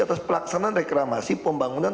atas pelaksanaan reklamasi pembangunan